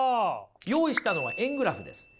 用意したのは円グラフです。